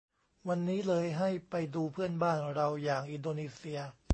วันนี้เลยให้ไปดูเพื่อนบ้านเราอย่างอินโดนีเซีย